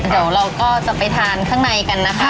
เดี๋ยวเราก็จะไปทานข้างในกันนะคะ